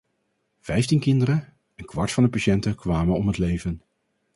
Vijftien kinderen, een kwart van de patiënten, kwamen om het leven.